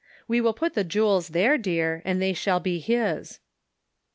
We will put the jewels, there, dear, and they shall be his."